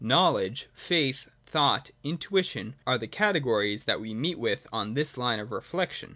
Knowledge, Faith, Thought, Intuition are the cate gories that we meet with on this line of reflection.